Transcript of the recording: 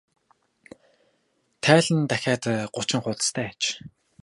Тайлан нь дахиад гучин хуудастай аж.